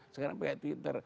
sekarang pakai twitter